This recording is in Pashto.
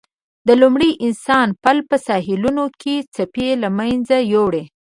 د لومړي انسان پل په ساحلونو کې څپې له منځه یووړ.